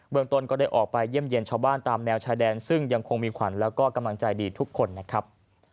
เมืองต้นก็ได้ออกไปเยี่ยมเยี่ยมชาวบ้านตามแนวชายแดนซึ่งยังคงมีขวัญแล้วก็กำลังใจดีทุกคนนะครับ